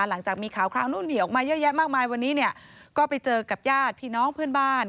หลังจากมีข่าวคราวนู่นหนีออกมาเยอะแยะมากมายวันนี้เนี่ยก็ไปเจอกับญาติพี่น้องเพื่อนบ้าน